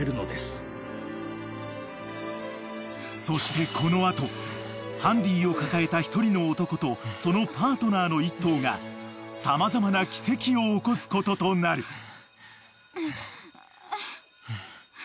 ［そしてこの後ハンディを抱えた１人の男とそのパートナーの１頭が様々な奇跡を起こすこととなる］